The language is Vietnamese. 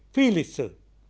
phi lịch sử